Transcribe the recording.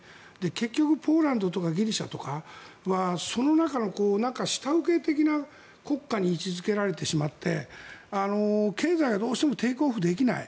結局、ポーランドとかギリシャはその中の下請け的な国家に位置付けられてしまって経済がどうしてもテイクオフできない。